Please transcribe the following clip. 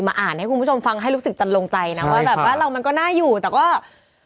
อ่านให้คุณผู้ชมฟังให้รู้สึกจันลงใจนะว่าแบบว่าเรามันก็น่าอยู่แต่ก็